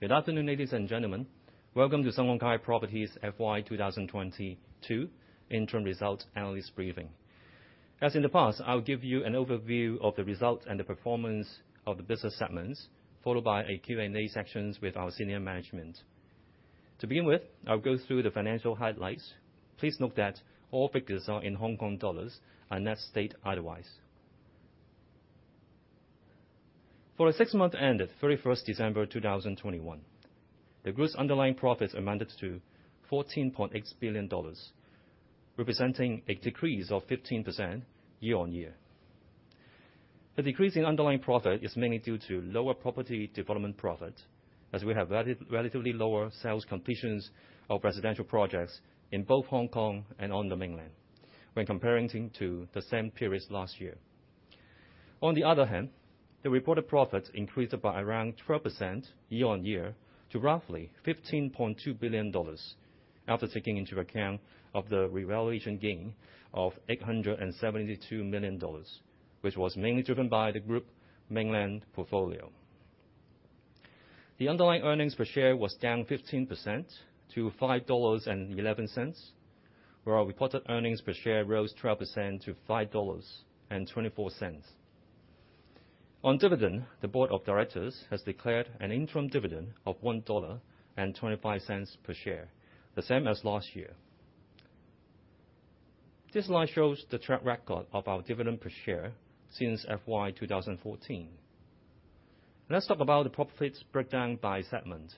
Good afternoon, ladies and gentlemen. Welcome to Sun Hung Kai Properties FY 2022 interim result analyst briefing. As in the past, I'll give you an overview of the results and the performance of the business segments, followed by a Q&A session with our senior management. To begin with, I'll go through the financial highlights. Please note that all figures are in Hong Kong dollars, unless stated otherwise. For the six months ended 31 December 2021, the group's underlying profits amounted to 14.8 billion dollars, representing a decrease of 15% year-on-year. The decrease in underlying profit is mainly due to lower property development profit, as we have relatively lower sales completions of residential projects in both Hong Kong and on the mainland when comparing to the same period last year. On the other hand, the reported profits increased by around 12% year-on-year to roughly 15.2 billion dollars after taking into account the revaluation gain of 872 million dollars, which was mainly driven by the Group's mainland portfolio. The underlying earnings per share was down 15% to 5.11 dollars, while reported earnings per share rose 12% to 5.24 dollars. On dividend, the Board of Directors has declared an interim dividend of 1.25 dollar per share, the same as last year. This slide shows the track record of our dividend per share since FY 2014. Let's talk about the profits breakdown by segment.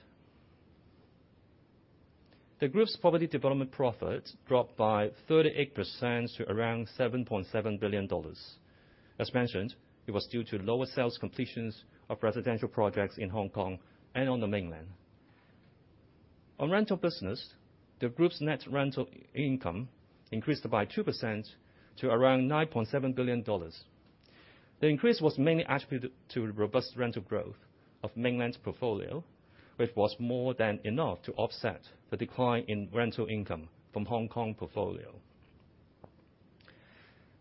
The Group's property development profit dropped by 38% to around 7.7 billion dollars. As mentioned, it was due to lower sales completions of residential projects in Hong Kong and on the mainland. On rental business, the group's net rental income increased by 2% to around 9.7 billion dollars. The increase was mainly attributed to robust rental growth of mainland portfolio, which was more than enough to offset the decline in rental income from Hong Kong portfolio.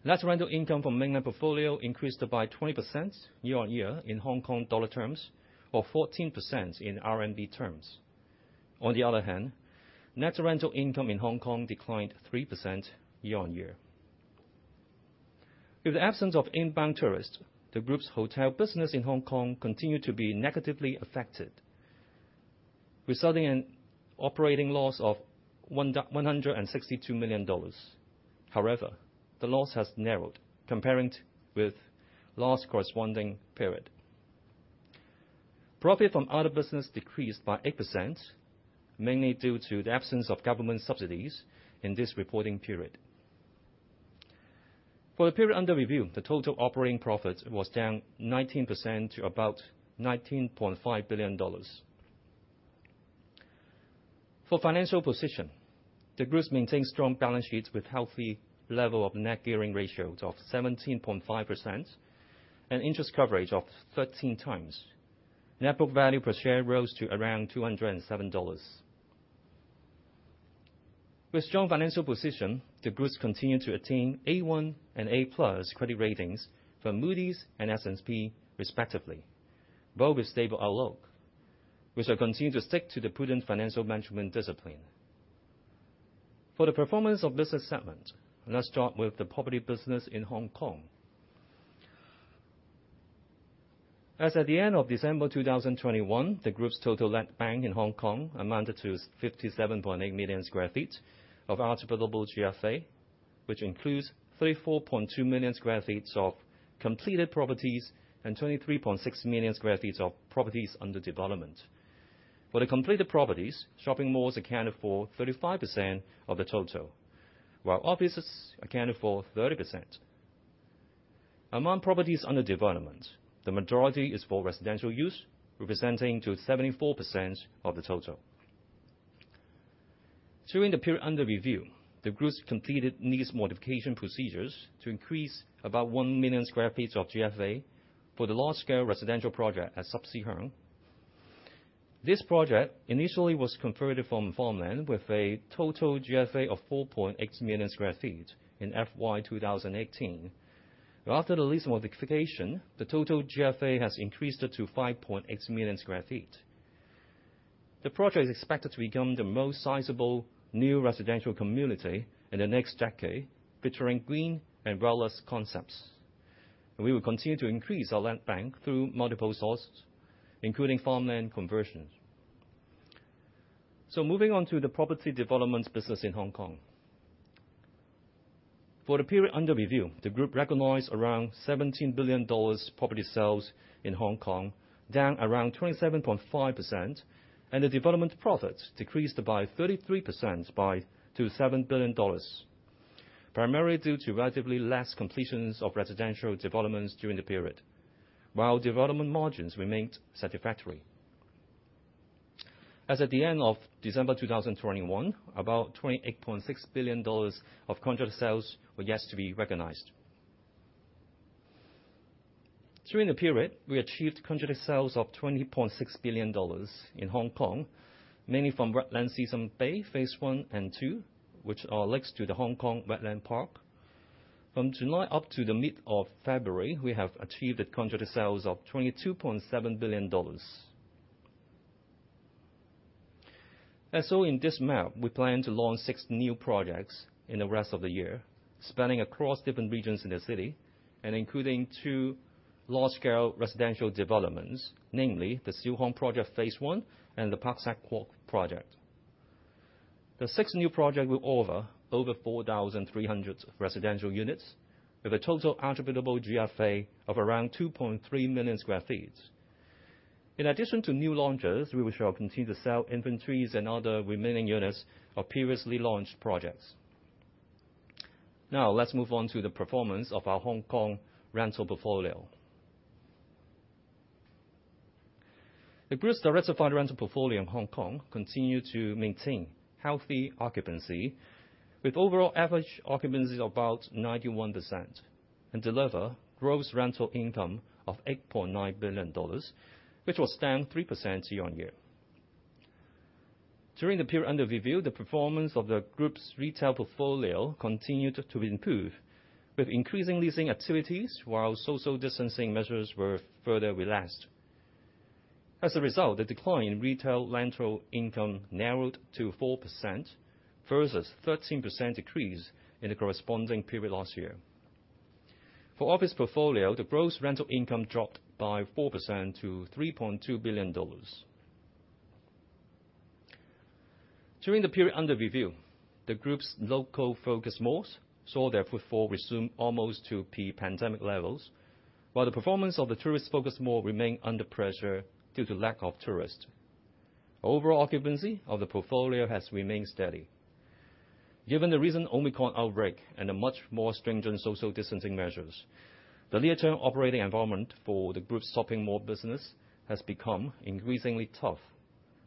Net rental income from mainland portfolio increased by 20% year-on-year in Hong Kong dollar terms, or 14% in RMB terms. On the other hand, net rental income in Hong Kong declined 3% year-on-year. With the absence of inbound tourists, the group's hotel business in Hong Kong continued to be negatively affected, resulting in operating loss of 162 million dollars. However, the loss has narrowed comparing with last corresponding period. Profit from other business decreased by 8%, mainly due to the absence of government subsidies in this reporting period. For the period under review, the total operating profit was down 19% to about HKD 19.5 billion. For financial position, the group maintains strong balance sheets with healthy level of net gearing ratio of 17.5% and interest coverage of 13x. Net book value per share rose to around 207 dollars. With strong financial position, the group continued to attain A1 and A+ credit ratings from Moody's and S&P respectively, both with stable outlook. We shall continue to stick to the prudent financial management discipline. For the performance of business segment, let's start with the property business in Hong Kong. As at the end of December 2021, the group's total land bank in Hong Kong amounted to 57.8 million sq ft of our available GFA, which includes 34.2 million sq ft of completed properties and 23.6 million sq ft of properties under development. For the completed properties, shopping malls accounted for 35% of the total, while offices accounted for 30%. Among properties under development, the majority is for residential use, representing 74% of the total. During the period under review, the group completed lease modification procedures to increase about 1 million sq ft of GFA for the large-scale residential project at Sai Sha. This project initially was converted from farmland, with a total GFA of 4.8 million sq ft in FY 2018. After the lease modification, the total GFA has increased to 5.8 million sq ft. The project is expected to become the most sizable new residential community in the next decade, featuring green and wellness concepts. We will continue to increase our land bank through multiple sources, including farmland conversion. Moving on to the property development business in Hong Kong. For the period under review, the group recognized around 17 billion dollars property sales in Hong Kong, down around 27.5%, and the development profit decreased by 33% to 7 billion dollars, primarily due to relatively less completions of residential developments during the period, while development margins remained satisfactory. As at the end of December 2021, about 28.6 billion dollars of contract sales were yet to be recognized. During the period, we achieved contract sales of 20.6 billion dollars in Hong Kong, mainly from Wetland Seasons Bay phase I and II, which are next to the Hong Kong Wetland Park. From July up to the mid of February, we have achieved contract sales of 22.7 billion dollars. As shown in this map, we plan to launch 6 new projects in the rest of the year, spanning across different regions in the city, and including two large-scale residential developments, namely the Siu Hong Project phase I and the Pak Shek Kok project. The 6 new projects will offer over 4,300 residential units with a total attributable GFA of around 2.3 million sq ft. In addition to new launches, we shall continue to sell inventories and other remaining units of previously launched projects. Now, let's move on to the performance of our Hong Kong rental portfolio. The group's diversified rental portfolio in Hong Kong continues to maintain healthy occupancy, with overall average occupancy of about 91%, and deliver gross rental income of 8.9 billion dollars, which was up 3% year-on-year. During the period under review, the performance of the group's retail portfolio continued to improve, with increasing leasing activities while social distancing measures were further relaxed. As a result, the decline in retail rental income narrowed to 4% versus 13% decrease in the corresponding period last year. For office portfolio, the gross rental income dropped by 4% to 3.2 billion dollars. During the period under review, the group's local focused malls saw their footfall resume almost to pre-pandemic levels, while the performance of the tourist focused mall remained under pressure due to lack of tourists. Overall occupancy of the portfolio has remained steady. Given the recent Omicron outbreak and a much more stringent social distancing measures, the near-term operating environment for the group's shopping mall business has become increasingly tough.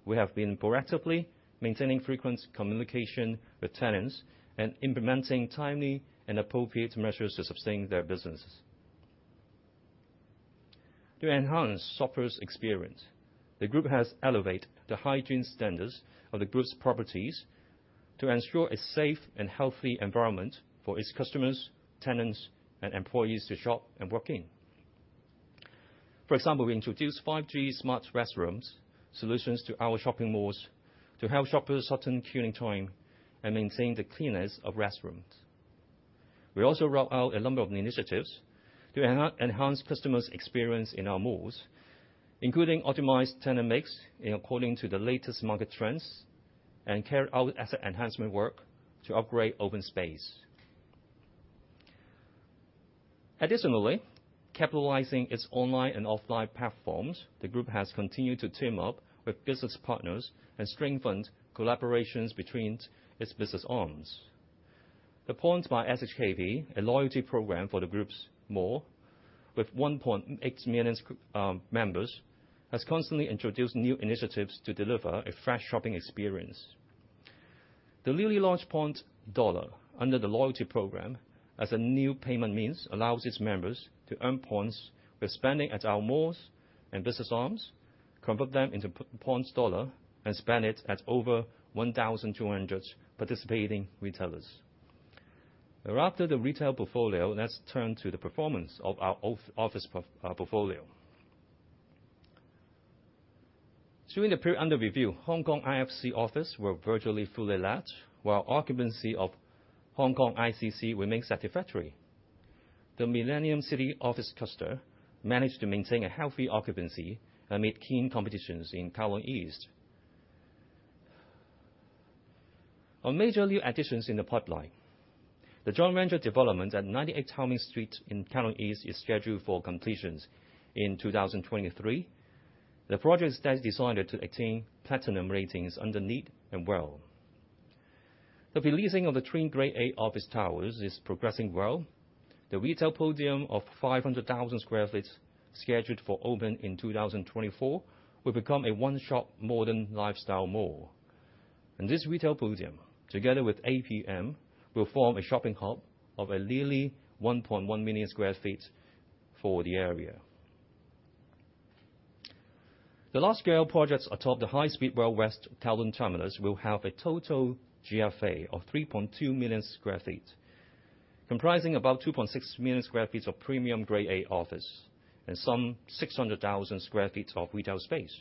We have been proactively maintaining frequent communication with tenants and implementing timely and appropriate measures to sustain their businesses. To enhance shoppers' experience, the group has elevated the hygiene standards of the group's properties to ensure a safe and healthy environment for its customers, tenants, and employees to shop and work in. For example, we introduced 5G smart restrooms solutions to our shopping malls to help shoppers shorten queuing time and maintain the cleanliness of restrooms. We also rolled out a number of initiatives to enhance customers' experience in our malls, including optimized tenant mix in accordance with the latest market trends, and carry out asset enhancement work to upgrade open space. Additionally, capitalizing on its online and offline platforms, the group has continued to team up with business partners and strengthen collaborations between its business arms. The Point by SHKP, a loyalty program for the group's mall, with 1.8 million members, has constantly introduced new initiatives to deliver a fresh shopping experience. The newly launched Point Dollar under the loyalty program, as a new payment means, allows its members to earn points with spending at our malls and business arms, convert them into Point Dollar, and spend it at over 1,200 participating retailers. After the retail portfolio, let's turn to the performance of our office portfolio. During the period under review, Hong Kong IFC offices were virtually fully let, while occupancy of Hong Kong ICC remains satisfactory. The Millennity office cluster managed to maintain a healthy occupancy amid keen competition in Kowloon East. One major new addition in the pipeline, the joint venture development at 98 Hoi Ming Street in Kowloon East is scheduled for completion in 2023. The project is designed to attain platinum ratings under LEED and WELL. The re-leasing of the twin Grade A office towers is progressing well. The retail podium of 500,000 sq ft scheduled for opening in 2024 will become a one-stop modern lifestyle mall. This retail podium, together with APM, will form a shopping hub of nearly 1.1 million sq ft for the area. The large-scale projects atop the High Speed Rail West Kowloon Terminus will have a total GFA of 3.2 million sq ft, comprising about 2.6 million sq ft of premium Grade A office and some 600,000 sq ft of retail space.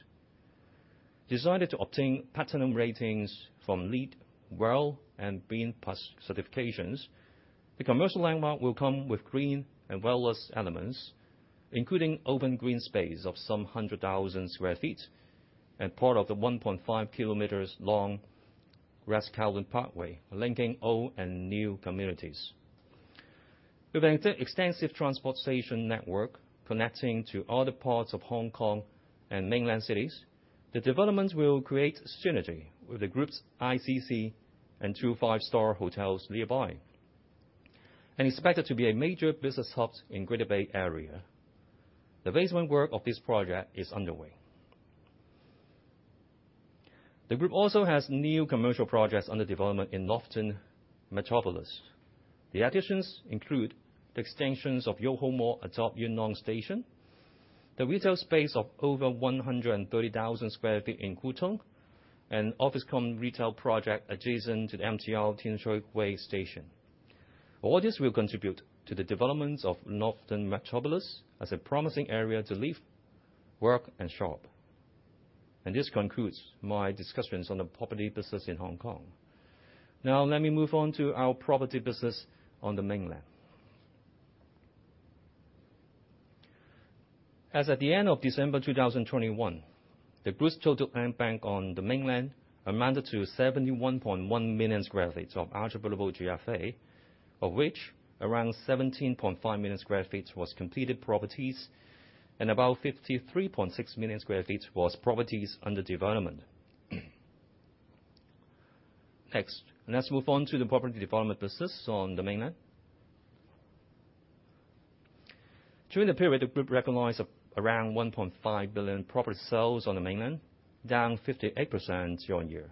Designed to obtain platinum ratings from LEED, WELL, and BREEAM+ certifications, the commercial landmark will come with green and wellness elements, including open green space of some 100,000 sq ft and part of the 1.5 km long West Kowloon Parkway, linking old and new communities. With an extensive transport station network connecting to other parts of Hong Kong and mainland cities, the development will create synergy with the group's ICC and two 5-star hotels nearby, and expected to be a major business hub in Greater Bay Area. The basement work of this project is underway. The group also has new commercial projects under development in Northern Metropolis. The additions include the extensions of YOHO Mall atop Yuen Long Station, the retail space of over 130,000 sq ft in Kwun Tong and office cum retail project adjacent to the MTR Tin Shui Wai station. All this will contribute to the developments of Northern Metropolis as a promising area to live, work, and shop. This concludes my discussions on the property business in Hong Kong. Now let me move on to our property business on the Mainland. As at the end of December 2021, the gross total land bank on the Mainland amounted to 71.1 million sq ft of attributable GFA, of which around 17.5 million sq ft was completed properties, and about 53.6 million sq ft was properties under development. Next, let's move on to the property development business on the Mainland. During the period, the group recognized around 1.5 billion property sales on the Mainland, down 58% year-on-year,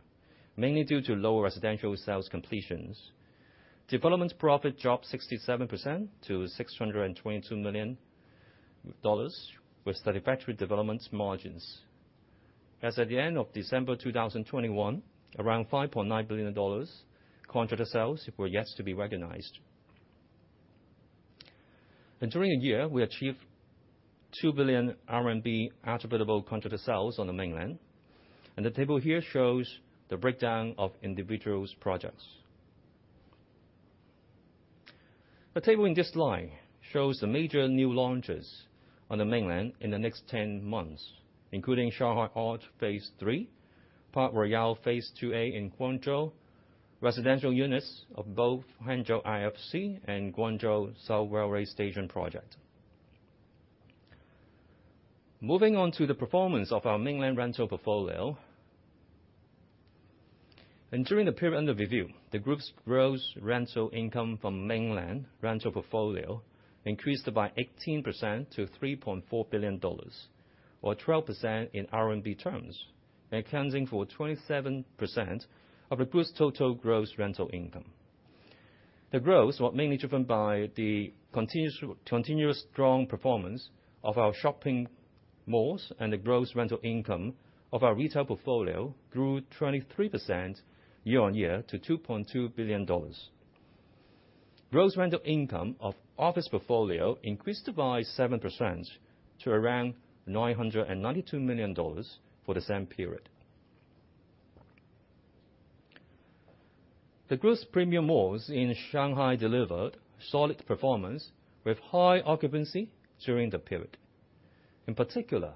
mainly due to lower residential sales completions. Development profit dropped 67% to 622 million dollars with satisfactory development margins. As at the end of December 2021, around 5.9 billion dollars contract sales were yet to be recognized. During the year, we achieved 2 billion RMB attributable contract sales on the Mainland. The table here shows the breakdown of individual projects. The table in this slide shows the major new launches on the Mainland in the next 10 months, including Shanghai Arch Phase III, Park Royale Phase IIA in Guangzhou, residential units of both Hangzhou IFC and Guangzhou South Station ICC. Moving on to the performance of our Mainland rental portfolio. During the period under review, the group's gross rental income from Mainland rental portfolio increased by 18% to 3.4 billion dollars or 12% in RMB terms, accounting for 27% of the group's total gross rental income. The growth was mainly driven by the continuous strong performance of our shopping malls, and the gross rental income of our retail portfolio grew 23% year-on-year to 2.2 billion dollars. Gross rental income of office portfolio increased by 7% to around 992 million dollars for the same period. The group's premium malls in Shanghai delivered solid performance with high occupancy during the period. In particular,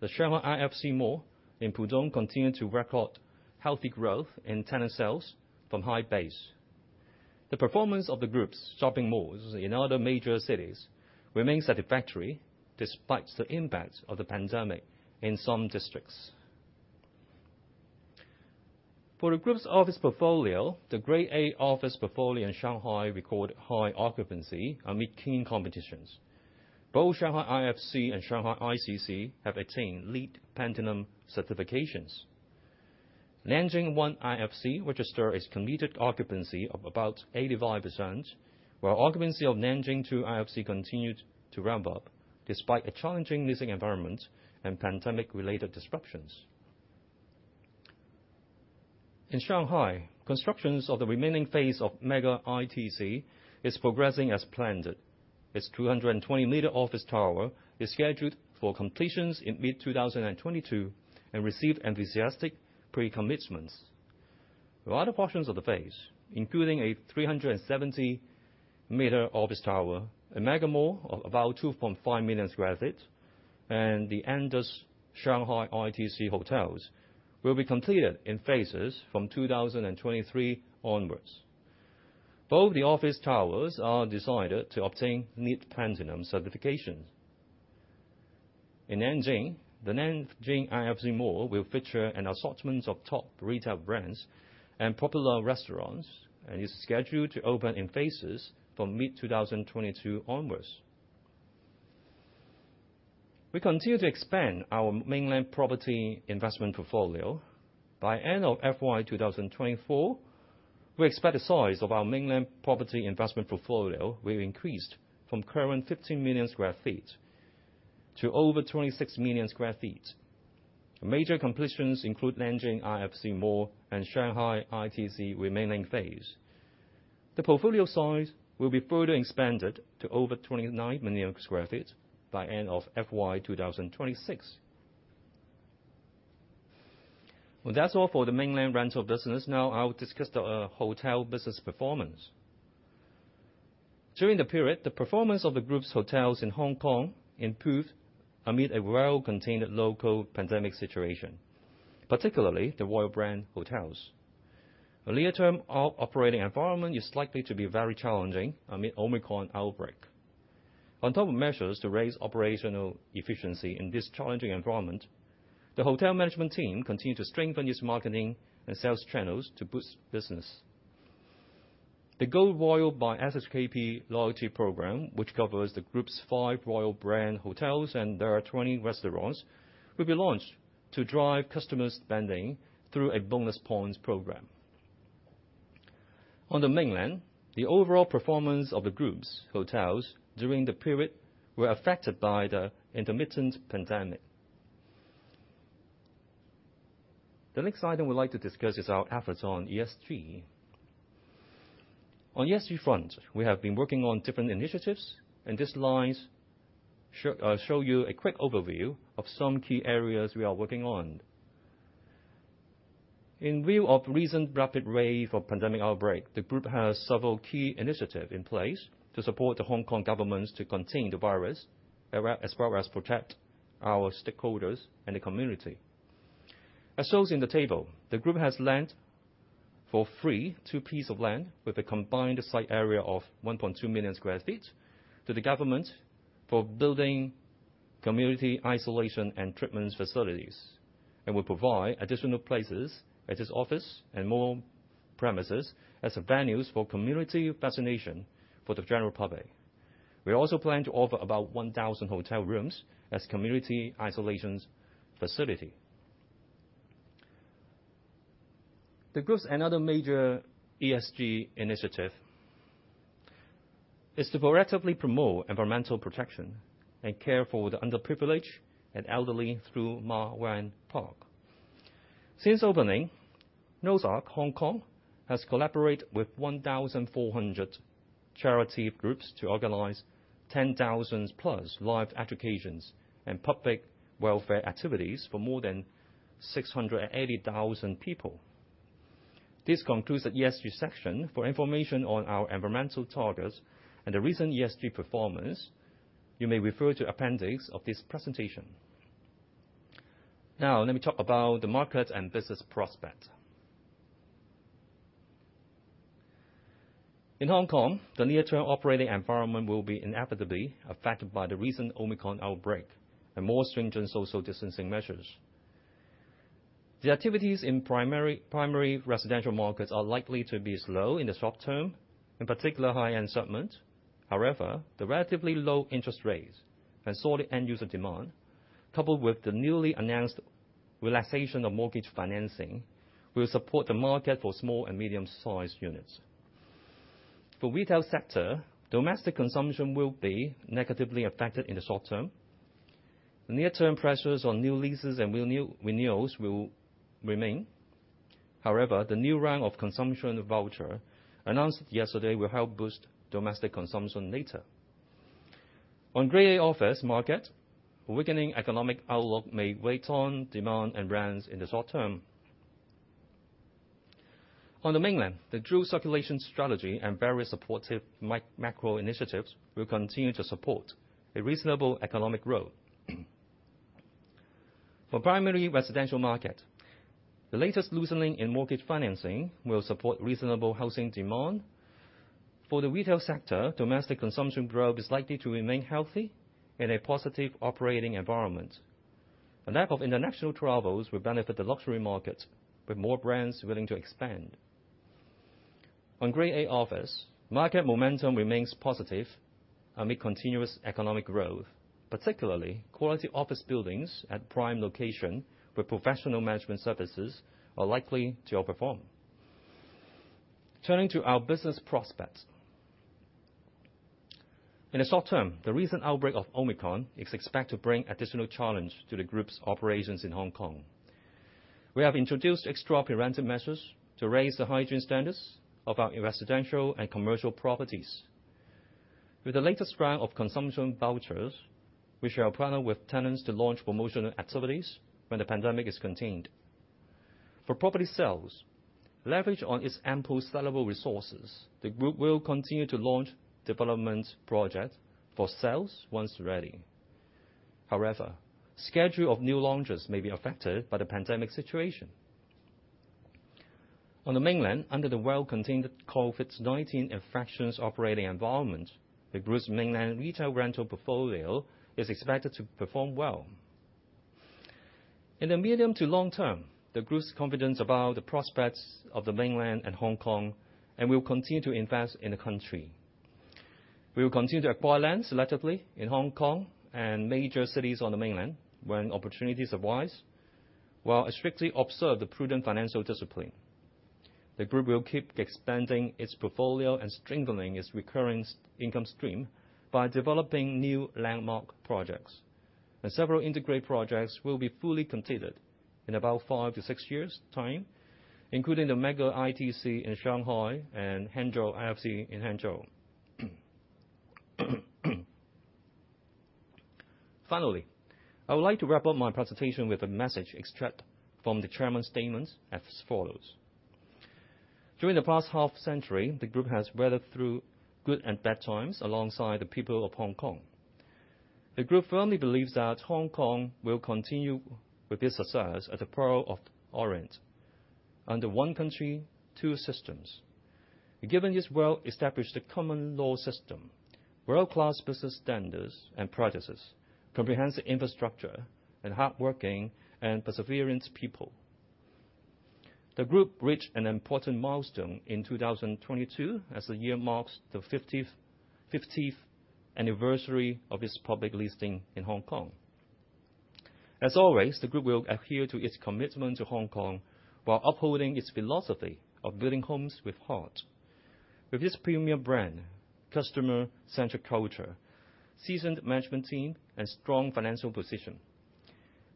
the Shanghai IFC Mall in Pudong continued to record healthy growth in tenant sales from high base. The performance of the group's shopping malls in other major cities remains satisfactory despite the impact of the pandemic in some districts. For the group's office portfolio, the Grade A office portfolio in Shanghai recorded high occupancy amid keen competitions. Both Shanghai IFC and Shanghai ICC have attained LEED Platinum certifications. Nanjing One IFC registered its committed occupancy of about 85%, while occupancy of Nanjing Two IFC continued to ramp up despite a challenging leasing environment and pandemic-related disruptions. In Shanghai, constructions of the remaining phase of Mega ITC is progressing as planned. Its 220-meter office tower is scheduled for completions in mid-2022 and received enthusiastic pre-commitments. The other portions of the phase, including a 370-meter office tower, a mega mall of about 2.5 million sq ft, and the Andaz Shanghai ITC Hotels will be completed in phases from 2023 onwards. Both the office towers are designed to obtain LEED Platinum certification. In Nanjing, the Nanjing IFC mall will feature an assortment of top retail brands and popular restaurants, and is scheduled to open in phases from mid-2022 onwards. We continue to expand our Mainland property investment portfolio. By end of FY 2024, we expect the size of our Mainland property investment portfolio will increase from current 15 million sq ft to over 26 million sq ft. Major completions include Nanjing IFC mall and Shanghai ITC remaining phase. The portfolio size will be further expanded to over 29 million sq ft by end of FY 2026. Well, that's all for the Mainland rental business. Now I'll discuss the hotel business performance. During the period, the performance of the group's hotels in Hong Kong improved amid a well-contained local pandemic situation, particularly the Royal Hotels. The near-term operating environment is likely to be very challenging amid Omicron outbreak. On top of measures to raise operational efficiency in this challenging environment, the hotel management team continued to strengthen its marketing and sales channels to boost business. The Go Royal by SHKP loyalty program, which covers the group's 5 Royal Hotels and their 20 restaurants, will be launched to drive customer spending through a bonus points program. On the mainland, the overall performance of the group's hotels during the period were affected by the intermittent pandemic. The next item we'd like to discuss is our efforts on ESG. On ESG front, we have been working on different initiatives, and these slides show you a quick overview of some key areas we are working on. In view of recent rapid wave of pandemic outbreak, the group has several key initiatives in place to support the Hong Kong government to contain the virus, as well as protect our stakeholders and the community. As shown in the table, the group has lent for free two pieces of land with a combined site area of 1.2 million sq ft to the government for building community isolation and treatment facilities, and will provide additional places at its offices and other premises as venues for community vaccination for the general public. We also plan to offer about 1,000 hotel rooms as community isolation facilities. The group's another major ESG initiative is to proactively promote environmental protection and care for the underprivileged and elderly through Ma Wan Park. Since opening, Noah's Ark Hong Kong has collaborated with 1,400 charity groups to organize 10,000 plus live educations and public welfare activities for more than 680,000 people. This concludes the ESG section. For information on our environmental targets and the recent ESG performance, you may refer to appendix of this presentation. Now, let me talk about the market and business prospect. In Hong Kong, the near-term operating environment will be inevitably affected by the recent Omicron outbreak and more stringent social distancing measures. The activities in primary residential markets are likely to be slow in the short term, in particular, high-end segment. However, the relatively low interest rates and solid end-user demand, coupled with the newly announced relaxation of mortgage financing, will support the market for small and medium-sized units. For retail sector, domestic consumption will be negatively affected in the short term. Near-term pressures on new leases and renewals will remain. However, the new round of consumption voucher announced yesterday will help boost domestic consumption later. On Grade A office market, weakening economic outlook may weigh on demand and rents in the short term. On the mainland, the dual circulation strategy and various supportive macro initiatives will continue to support a reasonable economic growth. For primary residential market, the latest loosening in mortgage financing will support reasonable housing demand. For the retail sector, domestic consumption growth is likely to remain healthy in a positive operating environment. A lack of international travels will benefit the luxury market, with more brands willing to expand. On Grade A office, market momentum remains positive amid continuous economic growth. Particularly, quality office buildings at prime location with professional management services are likely to outperform. Turning to our business prospects. In the short term, the recent outbreak of Omicron is expected to bring additional challenge to the group's operations in Hong Kong. We have introduced extra preventive measures to raise the hygiene standards of our residential and commercial properties. With the latest round of consumption vouchers, we shall partner with tenants to launch promotional activities when the pandemic is contained. For property sales, leverage on its ample sellable resources, the group will continue to launch development project for sales once ready. However, schedule of new launches may be affected by the pandemic situation. On the mainland, under the well-contained COVID-19 infections operating environment, the group's mainland retail rental portfolio is expected to perform well. In the medium to long term, the group has confidence about the prospects of the mainland and Hong Kong and will continue to invest in the country. We will continue to acquire land selectively in Hong Kong and major cities on the mainland when opportunities arise, while strictly observe the prudent financial discipline. The group will keep expanding its portfolio and strengthening its recurring income stream by developing new landmark projects. Several integrated projects will be fully completed in about 5-6 years' time, including the Mega ITC in Shanghai and Hangzhou IFC in Hangzhou. Finally, I would like to wrap up my presentation with a message extract from the chairman's statements as follows. During the past half-century, the group has weathered through good and bad times alongside the people of Hong Kong. The group firmly believes that Hong Kong will continue with its success as the Pearl of Orient under one country, two systems, given its well-established common law system, world-class business standards and practices, comprehensive infrastructure, and hardworking and persevering people. The group reached an important milestone in 2022 as the year marks the fiftieth anniversary of its public listing in Hong Kong. As always, the Group will adhere to its commitment to Hong Kong while upholding its philosophy of building homes with heart. With this premium brand, customer-centric culture, seasoned management team, and strong financial position,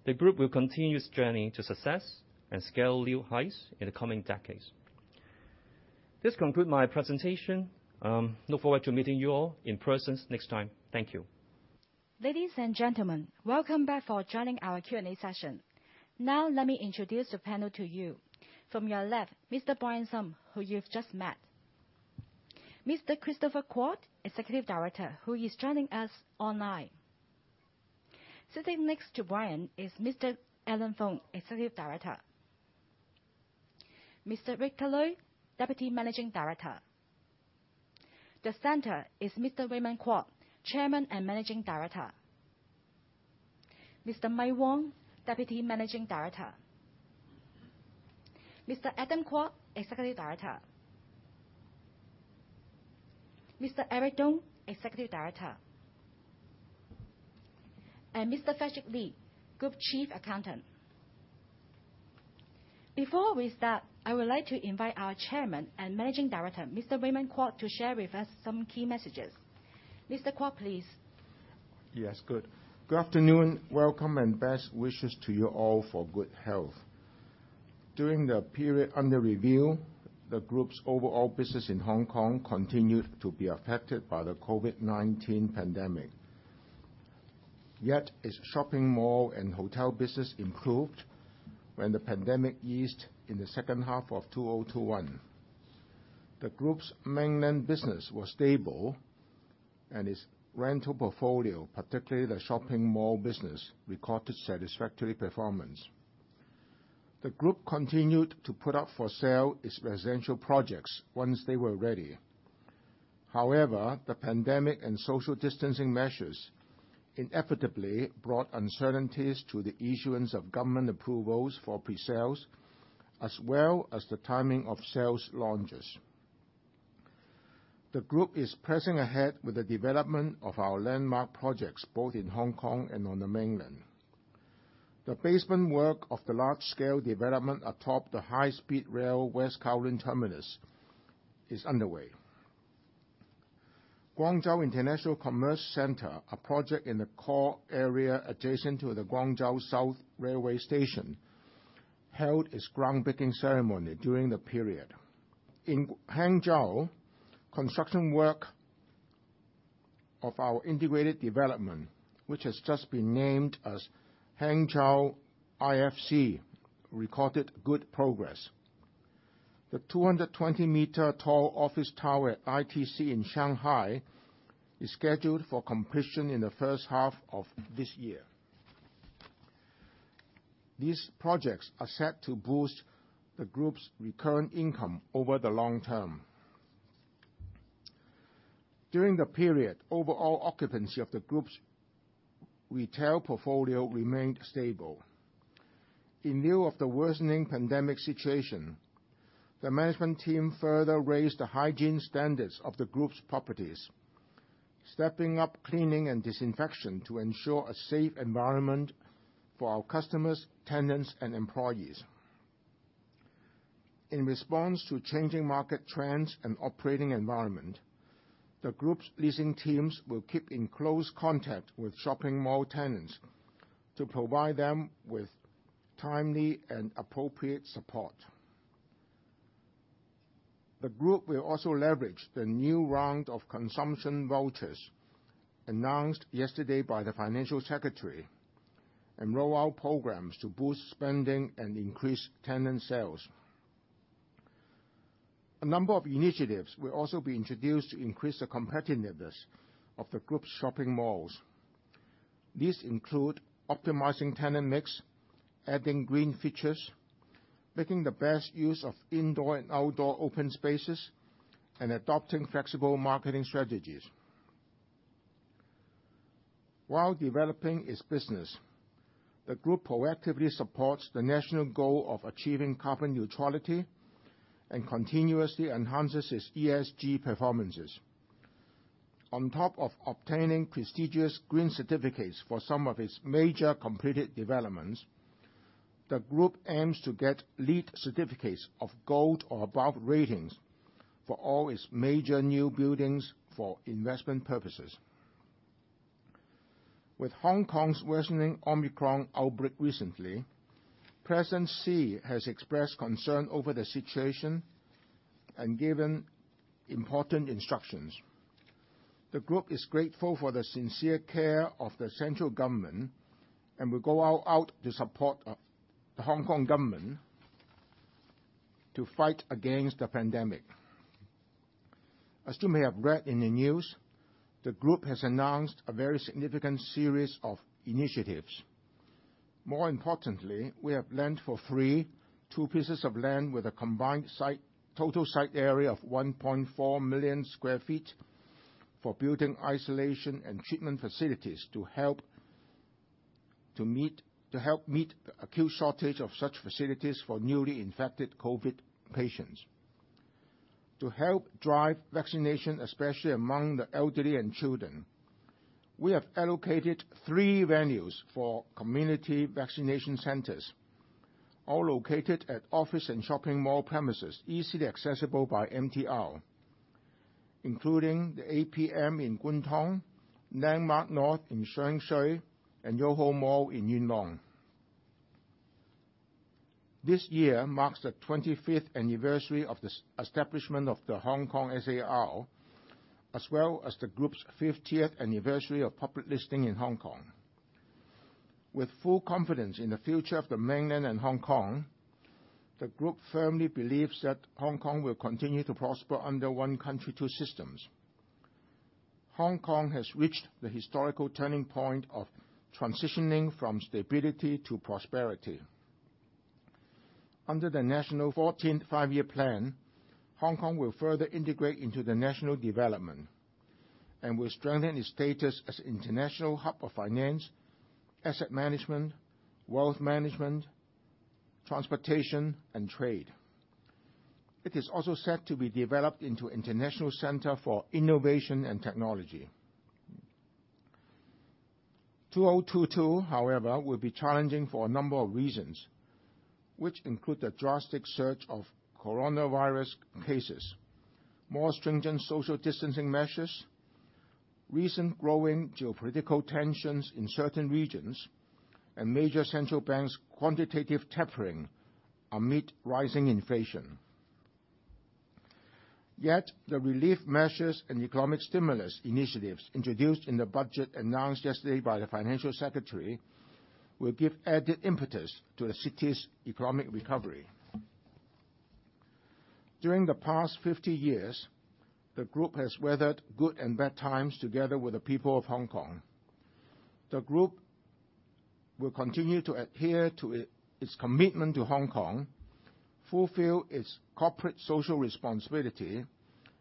the Group will continue its journey to success and scale new heights in the coming decades. This concludes my presentation. I look forward to meeting you all in person next time. Thank you. Ladies and gentlemen, welcome back for joining our Q&A session. Now, let me introduce the panel to you. From your left, Mr. Brian Sum, who you've just met. Mr. Christopher Kwok, Executive Director, who is joining us online. Sitting next to Brian is Mr. Allen Fung, Executive Director. Mr. Victor Lui, Deputy Managing Director. The center is Mr. Raymond Kwok, Chairman and Managing Director. Mr. Mike Wong, Deputy Managing Director. Mr. Adam Kwok, Executive Director. Mr. Eric Tong, Executive Director. Mr. Frederick Lie, Group Chief Accountant. Before we start, I would like to invite our Chairman and Managing Director, Mr. Raymond Kwok, to share with us some key messages. Mr. Kwok, please. Yes. Good. Good afternoon, welcome, and best wishes to you all for good health. During the period under review, the Group's overall business in Hong Kong continued to be affected by the COVID-19 pandemic. Yet, its shopping mall and hotel business improved when the pandemic eased in the H2 of 2021. The Group's mainland business was stable, and its rental portfolio, particularly the shopping mall business, recorded satisfactory performance. The Group continued to put up for sale its residential projects once they were ready. However, the pandemic and social distancing measures inevitably brought uncertainties to the issuance of government approvals for presales, as well as the timing of sales launches. The Group is pressing ahead with the development of our landmark projects, both in Hong Kong and on the mainland. The basement work of the large-scale development atop the high-speed rail West Kowloon Terminus is underway. Guangzhou South Station ICC, a project in the core area adjacent to the Guangzhou South Railway Station, held its groundbreaking ceremony during the period. In Hangzhou, construction work of our integrated development, which has just been named as Hangzhou IFC, recorded good progress. The 220-meter tall office tower at ITC in Shanghai is scheduled for completion in the H1 of this year. These projects are set to boost the Group's recurrent income over the long term. During the period, overall occupancy of the Group's retail portfolio remained stable. In lieu of the worsening pandemic situation, the management team further raised the hygiene standards of the Group's properties, stepping up cleaning and disinfection to ensure a safe environment for our customers, tenants, and employees. In response to changing market trends and operating environment, the Group's leasing teams will keep in close contact with shopping mall tenants to provide them with timely and appropriate support. The Group will also leverage the new round of consumption vouchers announced yesterday by the financial secretary, and roll out programs to boost spending and increase tenant sales. A number of initiatives will also be introduced to increase the competitiveness of the Group's shopping malls. These include optimizing tenant mix, adding green features, making the best use of indoor and outdoor open spaces, and adopting flexible marketing strategies. While developing its business, the Group proactively supports the national goal of achieving carbon neutrality and continuously enhances its ESG performances. On top of obtaining prestigious green certificates for some of its major completed developments, the Group aims to get LEED certificates of gold or above ratings for all its major new buildings for investment purposes. With Hong Kong's worsening Omicron outbreak recently, Xi Jinping has expressed concern over the situation and given important instructions. The Group is grateful for the sincere care of the central government and will go all out to support the Hong Kong government to fight against the pandemic. As you may have read in the news, the Group has announced a very significant series of initiatives. More importantly, we have lent for free two pieces of land with a combined total site area of 1.4 million sq ft for building isolation and treatment facilities to help meet the acute shortage of such facilities for newly infected COVID-19 patients. To help drive vaccination, especially among the elderly and children, we have allocated three venues for community vaccination centers, all located at office and shopping mall premises, easily accessible by MTR, including the APM in Kwun Tong, Landmark North in Sheung Shui, and Yoho Mall in Yuen Long. This year marks the 25th anniversary of the establishment of the Hong Kong SAR, as well as the group's 50th anniversary of public listing in Hong Kong. With full confidence in the future of the Mainland and Hong Kong, the group firmly believes that Hong Kong will continue to prosper under one country, two systems. Hong Kong has reached the historical turning point of transitioning from stability to prosperity. Under the national 14th Five-Year Plan, Hong Kong will further integrate into the national development and will strengthen its status as international hub of finance, asset management, wealth management, transportation, and trade. It is also set to be developed into international center for innovation and technology. 2022, however, will be challenging for a number of reasons, which include the drastic surge of coronavirus cases, more stringent social distancing measures, recent growing geopolitical tensions in certain regions, and major central banks' quantitative tapering amid rising inflation. Yet, the relief measures and economic stimulus initiatives introduced in the budget announced yesterday by the financial secretary will give added impetus to the city's economic recovery. During the past 50 years, the group has weathered good and bad times together with the people of Hong Kong. The group will continue to adhere to its commitment to Hong Kong, fulfill its corporate social responsibility,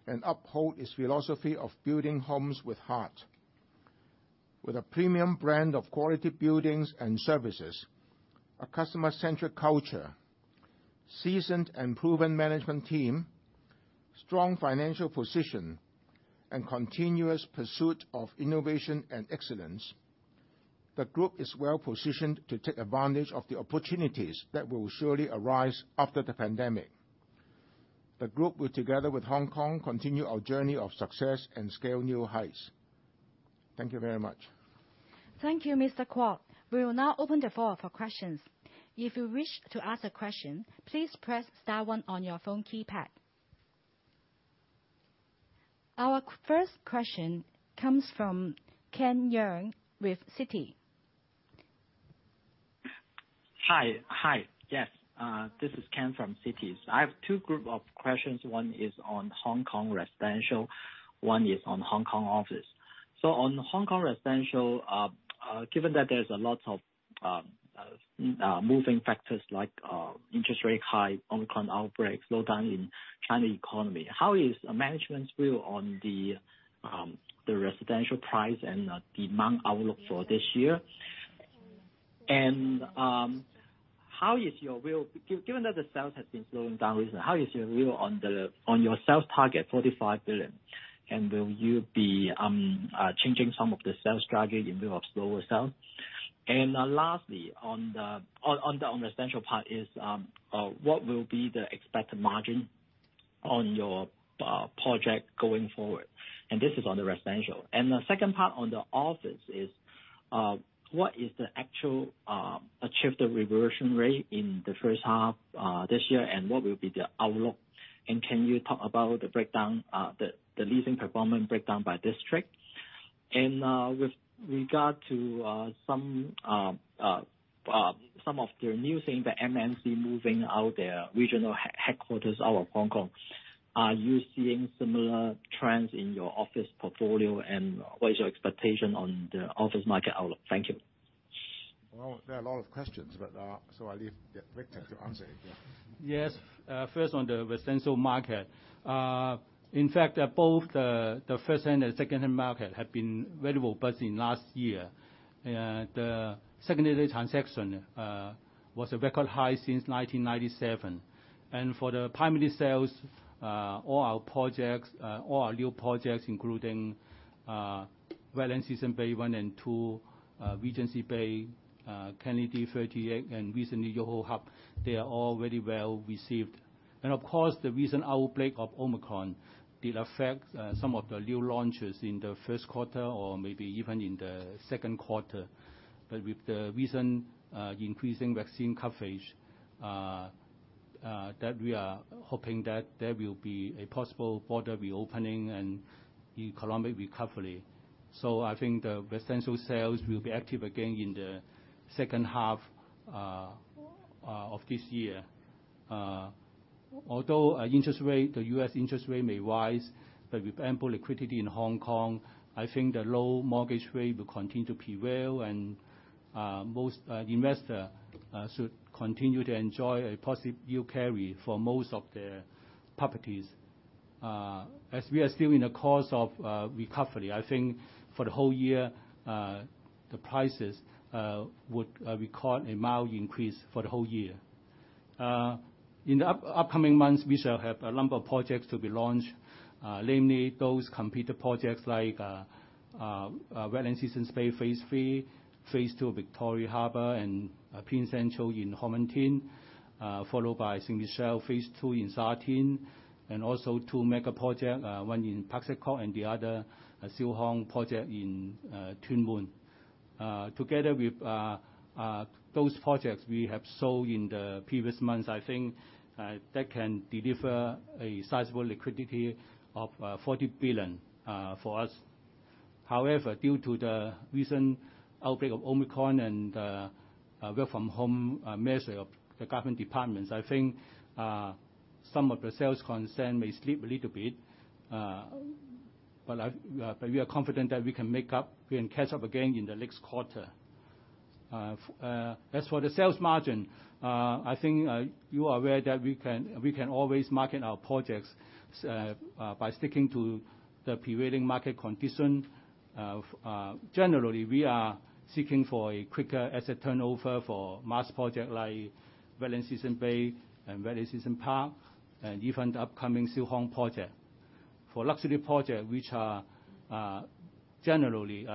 and uphold its philosophy of building homes with heart. With a premium brand of quality buildings and services, a customer-centric culture, seasoned and proven management team, strong financial position, and continuous pursuit of innovation and excellence, the group is well-positioned to take advantage of the opportunities that will surely arise after the pandemic. The group will, together with Hong Kong, continue our journey of success and scale new heights. Thank you very much. Thank you, Mr. Kwok. We will now open the floor for questions. If you wish to ask a question, please press star one on your phone keypad. Our first question comes from Ken Yeung with Citi. Hi. Yes, this is Ken Yeung from Citi. I have two groups of questions. One is on Hong Kong residential, one is on Hong Kong office. On Hong Kong residential, given that there's a lot of moving factors like interest rate hike, Omicron outbreaks, slowdown in Chinese economy, how is management's view on the residential price and demand outlook for this year? How is your view, given that the sales have been slowing down recently, how is your view on your sales target, HK$45 billion? Will you be changing some of the sales target in lieu of slower sales? Lastly on the residential part, what will be the expected margin on your project going forward? This is on the residential. The second part on the office is, what is the actual achieved reversion rate in the H1 this year, and what will be the outlook? Can you talk about the breakdown, the leasing performance breakdown by district? With regard to some of the new things, the MNC moving out their regional headquarters out of Hong Kong, are you seeing similar trends in your office portfolio, and what is your expectation on the office market outlook? Thank you. Well, there are a lot of questions, but so I leave Victor to answer it, yeah. Yes. First on the residential market. In fact, both the first-hand and second-hand market have been very robust in last year. The secondary transaction was a record high since 1997. For the primary sales, all our new projects, including Wetland Seasons Bay Phase I and II, Regency Bay, Kennedy 38, and recently YOHO Hub, they are all very well-received. Of course, the recent outbreak of Omicron did affect some of the new launches in the Q1 or maybe even in the Q2. With the recent increasing vaccine coverage, that we are hoping that there will be a possible border reopening and economic recovery. I think the residential sales will be active again in the H2 of this year. Although the interest rate, the U.S. interest rate may rise, but with ample liquidity in Hong Kong, I think the low mortgage rate will continue to prevail and most investors should continue to enjoy a positive yield carry for most of their properties. We are still in the course of recovery, I think for the whole year the prices would record a mild increase for the whole year. In the upcoming months, we shall have a number of projects to be launched, namely those completed projects like Wetland Seasons Bay Phase III, Phase II of Victoria Harbour, and Prince Central in Ho Man Tin, followed by St. Michel Phase II in Sha Tin, and also two mega projects, one in Pak Shek Kok and the other, Siu Hong Project in Tuen Mun. Together with those projects we have sold in the previous months, I think that can deliver a sizable liquidity of 40 billion for us. However, due to the recent outbreak of Omicron and work from home measure of the government departments, I think some of the sales concern may slip a little bit. We are confident that we can make up, we can catch up again in the next quarter. As for the sales margin, I think you are aware that we can always market our projects by sticking to the prevailing market condition. Generally, we are seeking for a quicker asset turnover for mass project like Wetland Seasons Bay and Wetland Seasons Park, and even the upcoming Siu Hong project. For luxury project, which are generally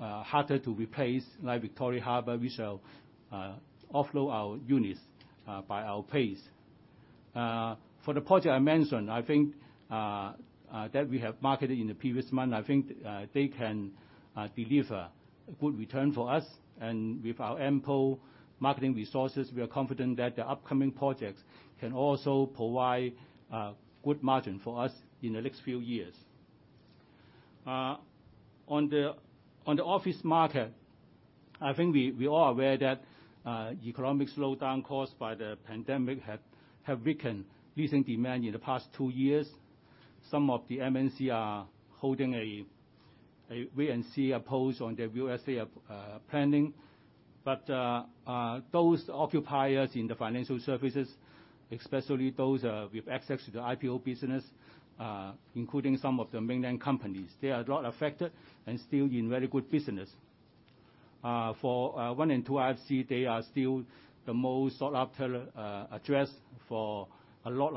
harder to replace, like Victoria Harbour, we shall offload our units by our pace. For the project I mentioned, I think that we have marketed in the previous month, I think they can deliver a good return for us. With our ample marketing resources, we are confident that the upcoming projects can also provide good margin for us in the next few years. On the office market, I think we are all aware that economic slowdown caused by the pandemic have weakened leasing demand in the past two years. Some of the MNC are holding a wait and see approach on their U.S. planning. Those occupiers in the financial services, especially those with access to the IPO business, including some of the mainland companies, they are not affected and still in very good business. For One and Two IFC, they are still the most sought after address for a lot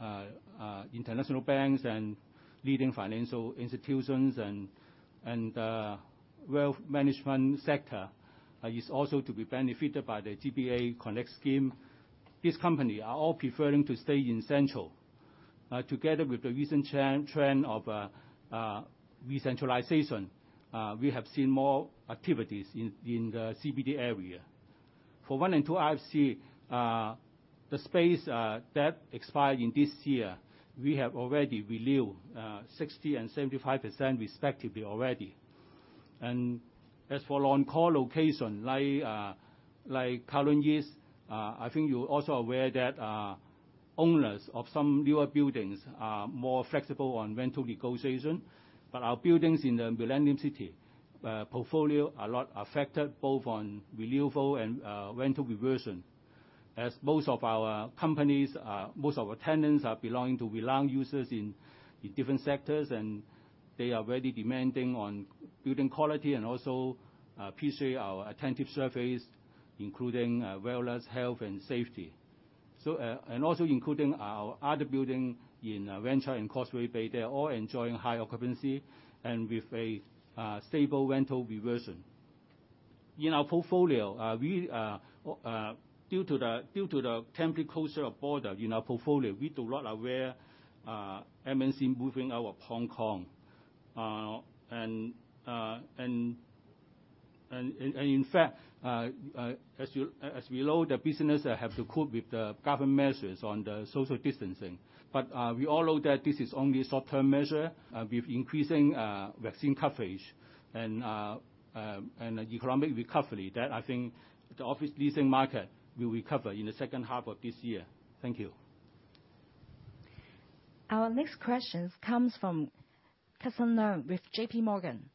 of international banks and leading financial institutions and wealth management sector is also to be benefited by the GBA Connect scheme. These company are all preferring to stay in Central. Together with the recent trend of decentralization, we have seen more activities in the CBD area. For One and Two IFC, the space that expired in this year, we have already renewed 60% and 75% respectively already. As for our core locations, like Kowloon East, I think you're also aware that owners of some newer buildings are more flexible on rental negotiation. Our buildings in the Millennium City portfolio are not affected both on renewal and rental reversion, as most of our tenants are belonging to renowned users in different sectors, and they are very demanding on building quality and also appreciate our attentive services, including wellness, health, and safety. Including our other building in Wan Chai and Causeway Bay, they're all enjoying high occupancy and with a stable rental reversion. In our portfolio, due to the temporary closure of border in our portfolio, we are not aware of MNC moving out of Hong Kong. In fact, as we know, the business have to cope with the government measures on the social distancing. We all know that this is only a short-term measure, with increasing vaccine coverage and economic recovery, that I think the office leasing market will recover in the H2 of this year. Thank you. Our next question comes from Karl Leung with J.P. Morgan.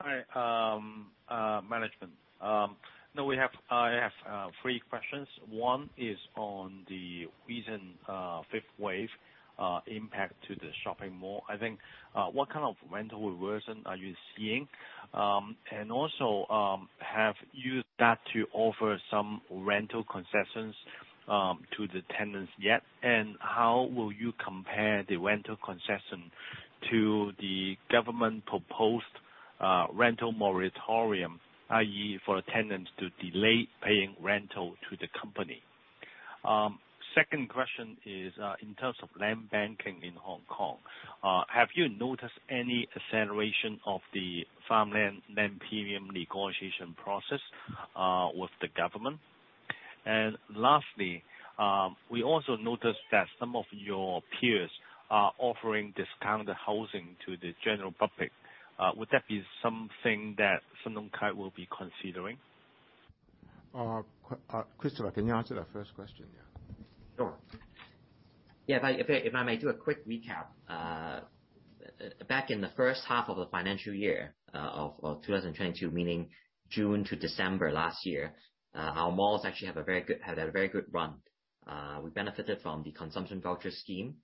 Hi, management. I have three questions. One is on the recent fifth wave impact to the shopping mall. I think what rental reversion are you seeing? Also, have you started to offer some rental concessions to the tenants yet? How will you compare the rental concession to the government-proposed rental moratorium, i.e., for tenants to delay paying rental to the company? Second question is in terms of land banking in Hong Kong, have you noticed any acceleration of the farmland land premium negotiation process with the government? Lastly, we also noticed that some of your peers are offering discounted housing to the general public. Would that be something that Sun Hung Kai will be considering? Christopher, can you answer that first question, yeah? Sure. Yeah, if I may do a quick recap, back in the H1 of the financial year of 2022, meaning June to December last year, our malls had a very good run. We benefited from the consumption voucher scheme,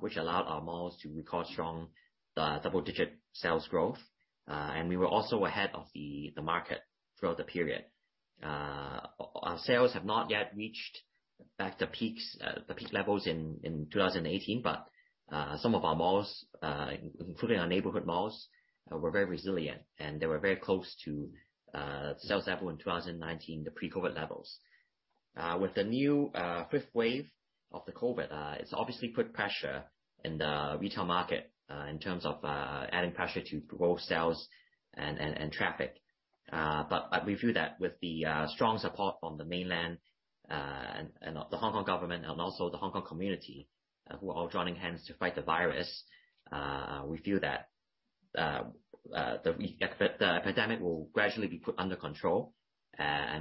which allowed our malls to record strong double-digit sales growth. We were also ahead of the market throughout the period. Our sales have not yet reached back to the peak levels in 2018, but some of our malls, including our neighborhood malls, were very resilient, and they were very close to sales level in 2019, the pre-COVID levels. With the new fifth wave of the COVID, it's obviously put pressure in the retail market, in terms of adding pressure to both sales and traffic. We feel that with the strong support from the mainland, and the Hong Kong government and also the Hong Kong community who are all joining hands to fight the virus, we feel that the epidemic will gradually be put under control.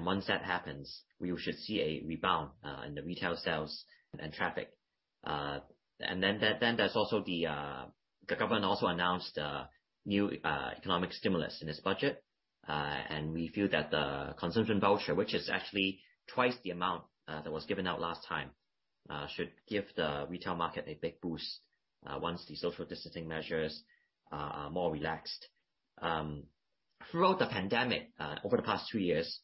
Once that happens, we should see a rebound in the retail sales and traffic. There's also the government also announced new economic stimulus in this budget, and we feel that the consumption voucher, which is actually twice the amount that was given out last time, should give the retail market a big boost once the social distancing measures are more relaxed. Throughout the pandemic, over the past two years,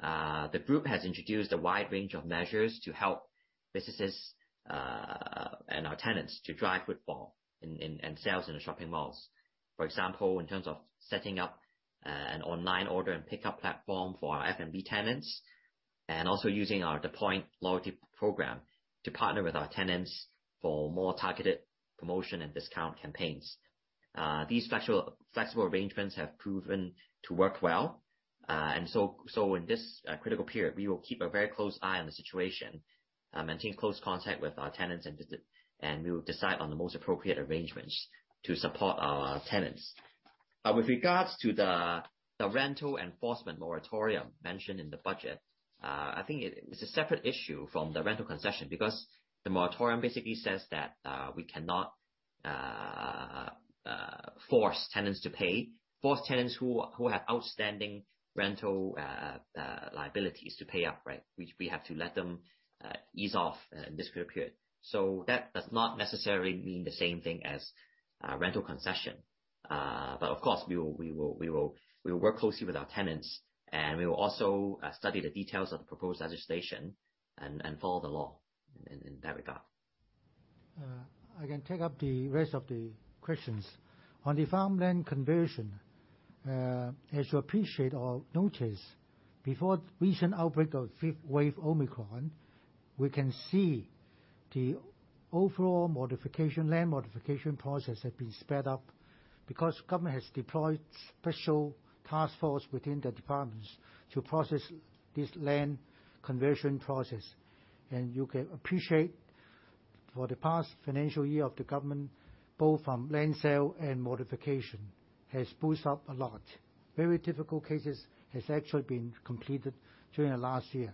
the group has introduced a wide range of measures to help businesses and our tenants to drive footfall and sales in the shopping malls. For example, in terms of setting up an online order and pickup platform for our F&B tenants, and also using our The Point loyalty program to partner with our tenants for more targeted promotion and discount campaigns. These flexible arrangements have proven to work well. In this critical period, we will keep a very close eye on the situation, maintain close contact with our tenants and visit, and we will decide on the most appropriate arrangements to support our tenants. With regards to the rental enforcement moratorium mentioned in the budget, I think it's a separate issue from the rental concession because the moratorium basically says that we cannot force tenants who have outstanding rental liabilities to pay up, right? We have to let them ease off in this critical period. That does not necessarily mean the same thing as rental concession. Of course, we will work closely with our tenants, and we will also study the details of the proposed legislation and follow the law in that regard. I can take up the rest of the questions. On the farmland conversion, as you appreciate or notice, before recent outbreak of fifth wave Omicron, we can see the overall modification, land modification process had been sped up because government has deployed special task force within the departments to process this land conversion process. You can appreciate for the past financial year of the government, both from land sale and modification has boosted up a lot. Very difficult cases has actually been completed during the last year.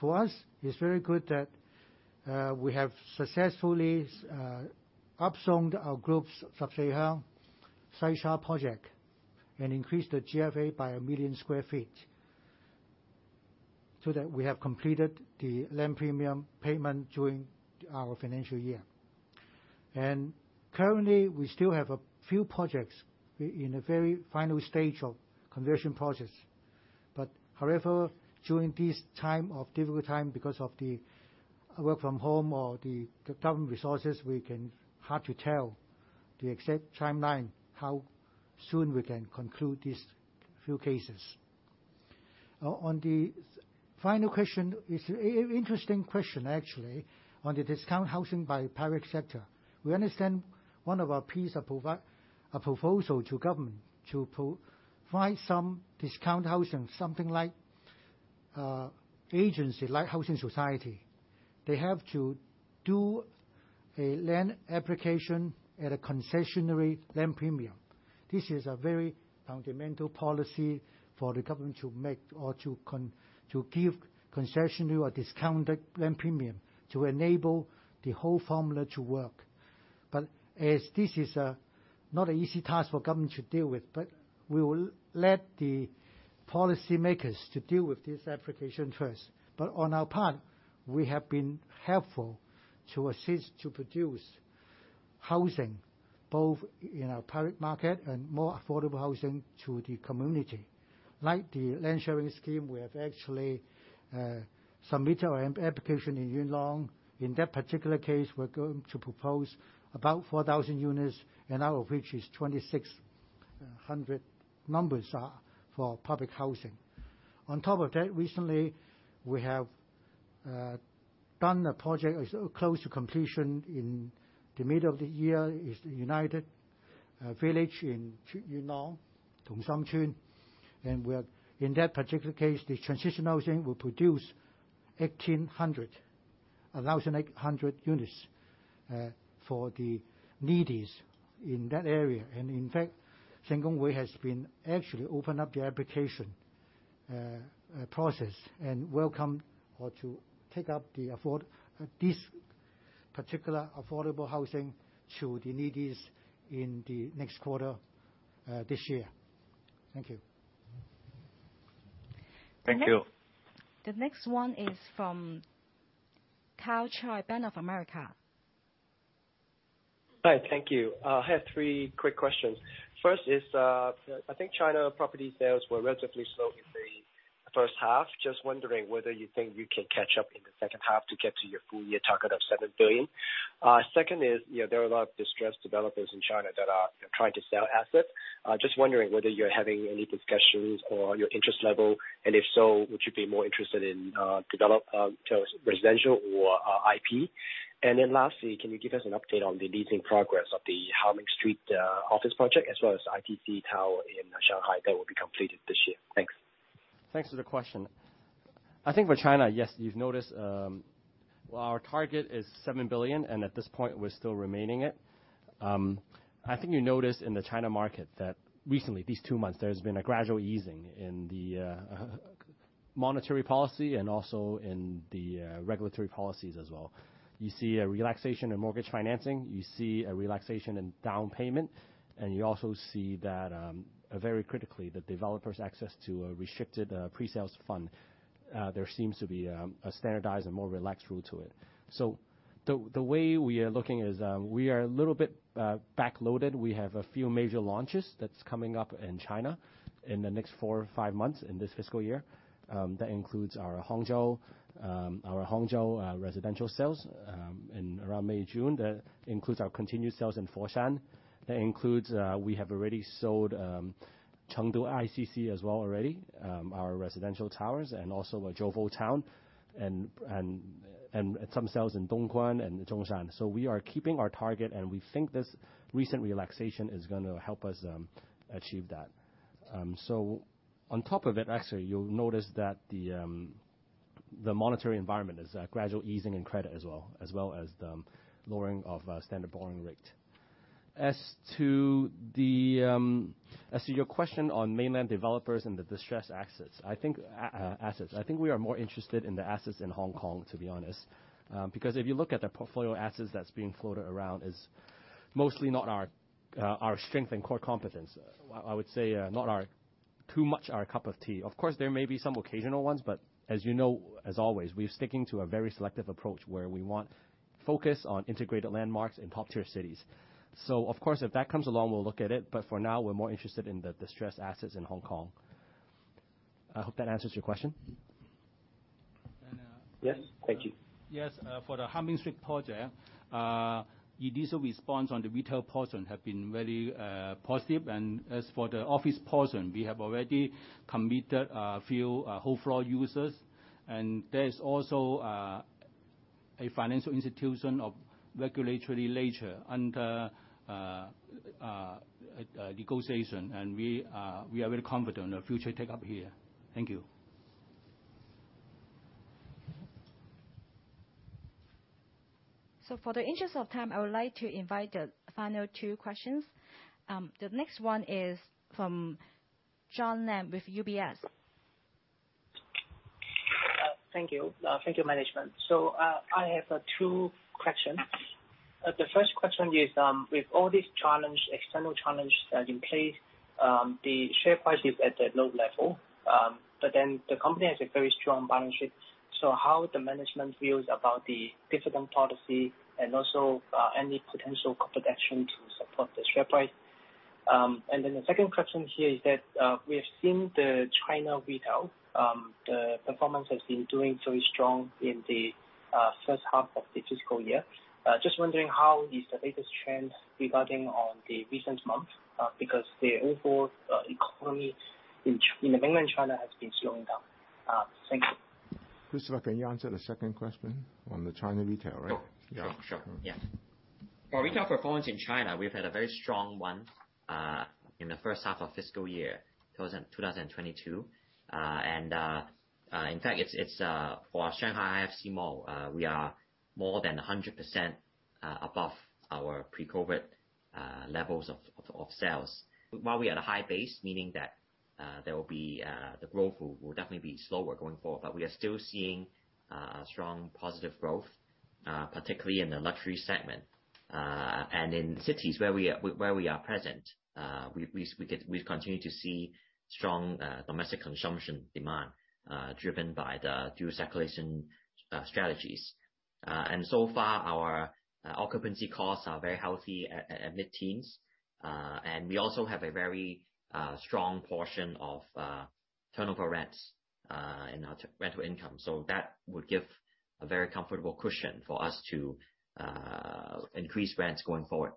For us, it's very good that we have successfully up zoned our group's Sai Sha project and increased the GFA by 1 million sq ft so that we have completed the land premium payment during our financial year. Currently, we still have a few projects in the very final stage of conversion process. However, during this time of difficult time, because of the work from home or the government resources, hard to tell the exact timeline how soon we can conclude these few cases. On the final question, it's interesting question actually. On the discount housing by private sector, we understand one of our piece of a proposal to government to find some discount housing, something like agency, like housing society. They have to do a land application at a concessionary land premium. This is a very fundamental policy for the government to make or to give concessionary or discounted land premium to enable the whole formula to work. As this is not an easy task for government to deal with, we will let the policymakers to deal with this application first. On our part, we have been helpful to assist to produce housing both in our private market and more affordable housing to the community. Like the Land Sharing Scheme, we have actually submitted our application in Yuen Long. In that particular case, we're going to propose about 4,000 units, and out of which 2,600 are for public housing. On top of that, recently we have done a project, it's close to completion in the middle of the year, is the United Court in Yuen Long, Tung Shing Lei. In that particular case, the transitional housing will produce 1,800 units for the neediest in that area. In fact, San Kwong Wai has actually open up the application A process and welcome or to take up this particular affordable housing to the needy in the next quarter this year. Thank you. Thank you. The next one is from Karl Choi, Bank of America. Hi. Thank you. I have three quick questions. First is, so I think China property sales were relatively slow in the H1. Just wondering whether you think you can catch up in the H2 to get to your full year target of 7 billion. Second is, you know, there are a lot of distressed developers in China that are, you know, trying to sell assets. Just wondering whether you're having any discussions or your interest level, and if so, would you be more interested in residential or IP? Lastly, can you give us an update on the leasing progress of the Hoi Ming Street office project as well as ITC Tower in Shanghai that will be completed this year? Thanks. Thanks for the question. I think for China, yes, you've noticed, our target is 7 billion, and at this point, we're still remaining it. I think you noticed in the China market that recently, these 2 months, there's been a gradual easing in the monetary policy and also in the regulatory policies as well. You see a relaxation in mortgage financing, you see a relaxation in down payment, and you also see that, very critically, the developer's access to a restricted pre-sales fund. There seems to be a standardized and more relaxed rule to it. The way we are looking is, we are a little bit backloaded. We have a few major launches that's coming up in China in the next 4 or 5 months in this fiscal year. That includes our Hangzhou residential sales in around May, June. That includes our continued sales in Foshan. That includes, we have already sold Chengdu ICC as well already, our residential towers and also our Zhuhai town and some sales in Dongguan and Zhongshan. We are keeping our target, and we think this recent relaxation is going to help us achieve that. On top of it, actually, you'll notice that the monetary environment is a gradual easing in credit as well as the lowering of standard borrowing rate. As to your question on mainland developers and the distressed assets, I think we are more interested in the assets in Hong Kong, to be honest. Because if you look at the portfolio assets that's being floated around, is mostly not our strength and core competence. I would say not too much our cup of tea. Of course, there may be some occasional ones, but as you know, as always, we're sticking to a very selective approach where we want focus on integrated landmarks in top tier cities. So of course, if that comes along, we'll look at it, but for now we're more interested in the distressed assets in Hong Kong. I hope that answers your question. And, uh- Yes? Thank you. Yes. For the Hoi Ming Street project, initial response on the retail portion have been very positive, and as for the office portion, we have already committed a few whole floor users. There is also a financial institution of regulatory nature under negotiation. We are very confident of future take up here. Thank you. For the interest of time, I would like to invite the final two questions. The next one is from John Lam with UBS. Thank you. Thank you, management. I have two questions. The first question is, with all this challenge, external challenge that in place, the share price is at a low level. The company has a very strong balance sheet. How the management feels about the dividend policy and also any potential corporate action to support the share price. The second question here is that we have seen the China retail, the performance has been doing very strong in the H1 of the fiscal year. Just wondering how is the latest trends regarding on the recent months, because the overall economy in the mainland China has been slowing down. Thank you. Christopher, can you answer the second question on the China retail, right? Oh. Yeah. Sure. Yeah. Our retail performance in China, we've had a very strong one in the H1 of fiscal year 2022. In fact it's for Shanghai IFC Mall, we are more than 100% above our pre-COVID levels of sales. While we are at a high base, meaning that the growth will definitely be slower going forward. We are still seeing a strong positive growth, particularly in the luxury segment. In cities where we are present, we continue to see strong domestic consumption demand driven by the dual circulation strategies. So far our occupancy costs are very healthy at mid-teens%. We also have a very strong portion of turnover rents in our rental income. That would give a very comfortable cushion for us to increase rents going forward.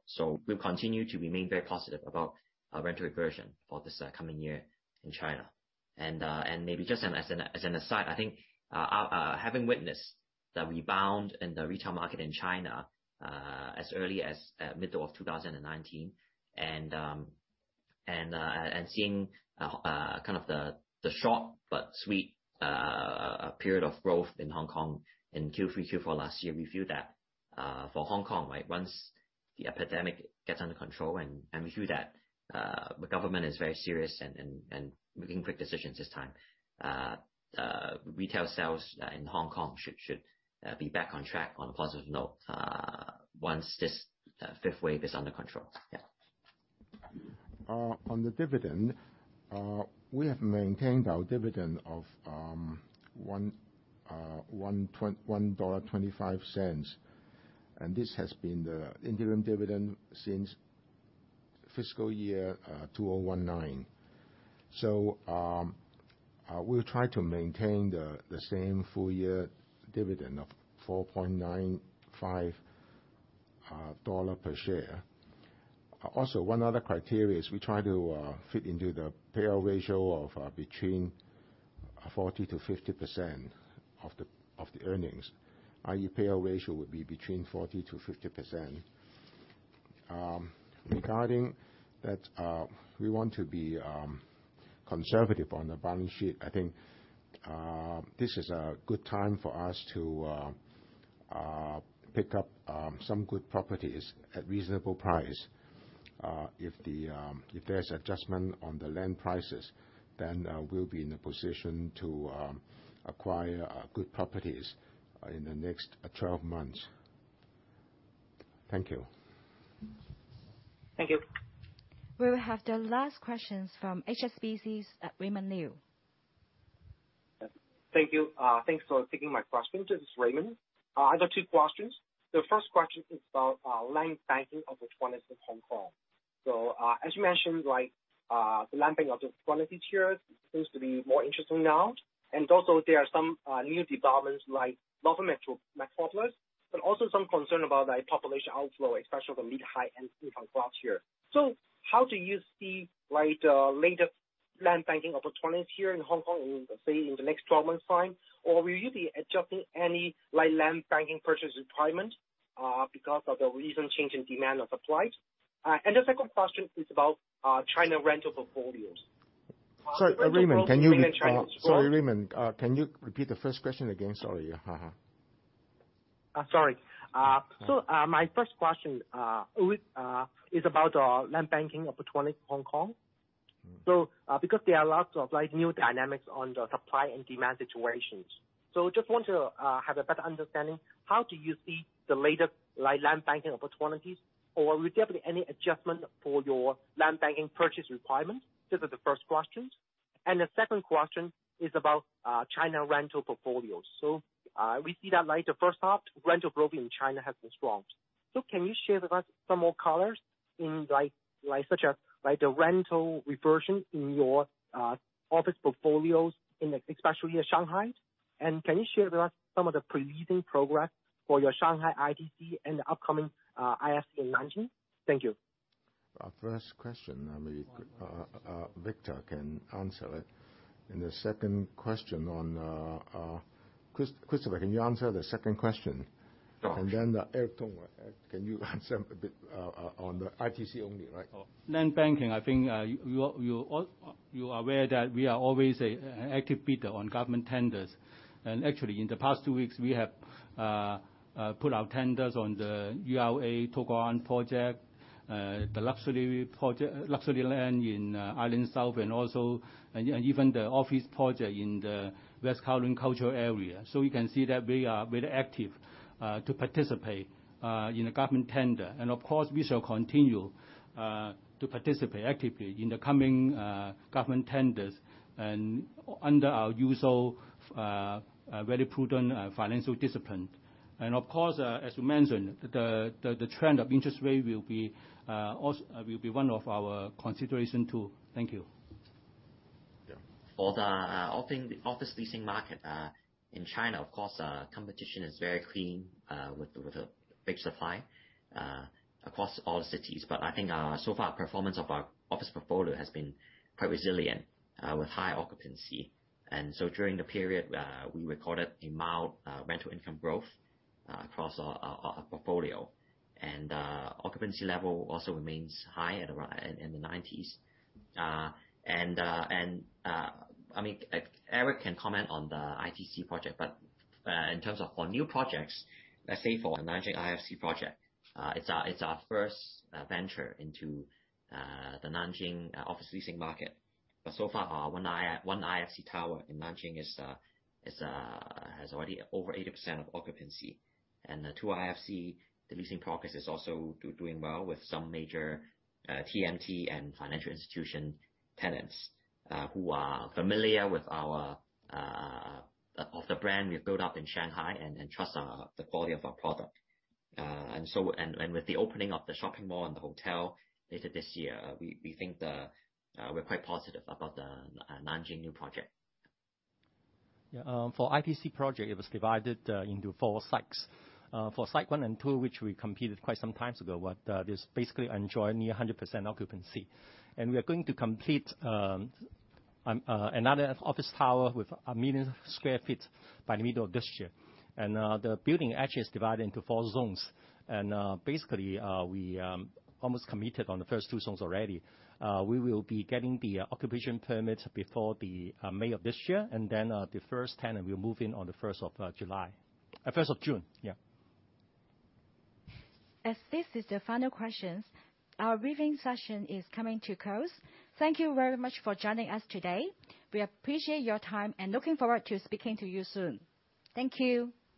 We'll continue to remain very positive about our rental reversion for this coming year in China. Maybe just as an aside, I think, having witnessed the rebound in the retail market in China as early as middle of 2019 and seeing the short but sweet period of growth in Hong Kong in Q3, Q4 last year, we feel that for Hong Kong, right, once the epidemic gets under control and we feel that the government is very serious and making quick decisions this time. Retail sales in Hong Kong should be back on track on a positive note once this fifth wave is under control. Yeah. On the dividend, we have maintained our dividend of 1.25 dollar, and this has been the interim dividend since fiscal year 2019. We'll try to maintain the same full year dividend of 4.95 dollar per share. Also, one other criterion is we try to fit into the payout ratio of between 40%-50% of the earnings, i.e. payout ratio would be between 40%-50%. Regarding that, we want to be conservative on the balance sheet. I think this is a good time for us to pick up some good properties at reasonable price. If there's adjustment on the land prices, then we'll be in a position to acquire good properties in the next 12 months. Thank you. Thank you. We will have the last questions from HSBC's Raymond Liu. Thank you. Thanks for taking my question. This is Raymond. I've got two questions. The first question is about land banking opportunities in Hong Kong. As you mentioned, like, the land banking opportunities here seems to be more interesting now. Also there are some new developments like Metro, Metroplus, but also some concern about the population outflow, especially the mid, high and income class here. How do you see like the latest land banking opportunities here in Hong Kong in, let's say in the next 12 months time? Or will you be adjusting any like land banking purchase requirement because of the recent change in demand of supplies? The second question is about China rental portfolios. Sorry, Raymond, can you repeat the first question again? Sorry. Ha-ha. Sorry, my first question is about land banking opportunity Hong Kong. Mm. Because there are lots of like new dynamics on the supply and demand situations. Just want to have a better understanding, how do you see the latest like land banking opportunities, or will there be any adjustment for your land banking purchase requirements? These are the first questions. The second question is about China rental portfolios. We see that like the H1 rental growth in China has been strong. Can you share with us some more colors in like such a like the rental reversion in your office portfolios, especially Shanghai. Can you share with us some of the pre-leasing progress for your Shanghai ITC and the upcoming IFC in Nanjing? Thank you. Our first question, I mean, Victor can answer it. The second question on Christopher, can you answer the second question? Sure. Eric Tong, can you answer a bit on the ITC only, right? Land banking, I think, you are aware that we are always an active bidder on government tenders. Actually, in the past 2 weeks we have put in tenders on the URA To Kwa Wan project, the luxury project, luxury land in Island South and also the office project in the West Kowloon Cultural District. You can see that we are very active to participate in the government tender. Of course, we shall continue to participate actively in the coming government tenders and under our usual very prudent financial discipline. Of course, as you mentioned, the trend of interest rate will be also one of our consideration too. Thank you. Yeah. For the office leasing market in China, of course, competition is very keen with the big supply across all cities. I think so far performance of our office portfolio has been quite resilient with high occupancy. During the period we recorded a mild rental income growth across our portfolio. Occupancy level also remains high at around in the 90s. I mean, Eric Tong can comment on the ITC project, but in terms of our new projects, let's say for Nanjing IFC project, it's our first venture into the Nanjing office leasing market. So far our one IFC tower in Nanjing has already over 80% occupancy. The IFC leasing progress is also doing well with some major TMT and financial institution tenants who are familiar with our brand we've built up in Shanghai and trust our quality of our product. With the opening of the shopping mall and the hotel later this year, we think we're quite positive about the Nanjing new project. Yeah, for ITC project, it was divided into four sites. For site one and two, which we completed quite some time ago, but this basically enjoy near 100% occupancy. We are going to complete another office tower with 1 million sq ft by the middle of this year. The building actually is divided into four zones. Basically, we almost committed on the first two zones already. We will be getting the occupation permit before the May of this year. Then, the first tenant will move in on the first of July. First of June. Yeah. As this is the final questions, our briefing session is coming to a close. Thank you very much for joining us today. We appreciate your time and are looking forward to speaking to you soon. Thank you.